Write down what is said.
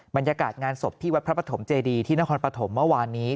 บรรยากาศงานศพที่วัดพระปฐมเจดีที่นครปฐมเมื่อวานนี้